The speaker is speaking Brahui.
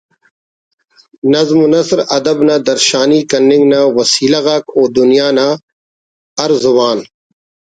نظم و نثر ادب نا درشانی کننگ نا وسیلہ غاک ءُ دنیا نا ہر زبان